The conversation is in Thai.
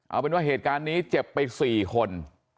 เอาเป็นว่าเหตุการณ์นี้เจ็บไป๔คน